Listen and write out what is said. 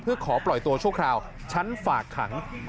เพื่อขอปล่อยตัวชั่วคราวชั้นฝากขัง